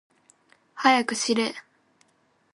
はやくしれ。